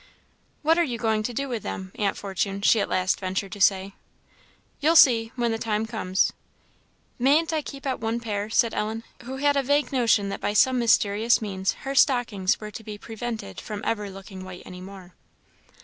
"What are you going to do with them, Aunt Fortune?" she at last ventured to say. "You'll see when the time comes." "Mayn't I keep out one pair?" said Ellen, who had a vague notion that by some mysterious means her stockings were to be prevented from ever looking white any more.